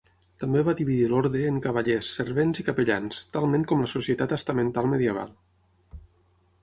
També va dividir l'orde en cavallers, servents i capellans, talment com la societat estamental medieval.